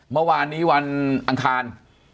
เมื่อวานนี้วันอังคาร